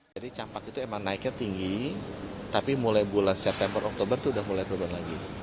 jadi campak itu emang naiknya tinggi tapi mulai bulan september oktober itu udah mulai turun lagi